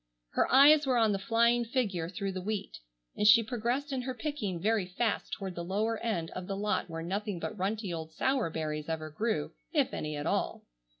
Her eyes were on the flying figure through the wheat, and she progressed in her picking very fast toward the lower end of the lot where nothing but runty old sour berries ever grew, if any at all.